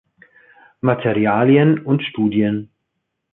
Materialien und Studien.